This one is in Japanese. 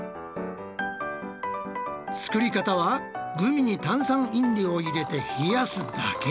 作り方はグミに炭酸飲料を入れて冷やすだけ。